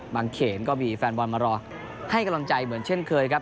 เขนก็มีแฟนบอลมารอให้กำลังใจเหมือนเช่นเคยครับ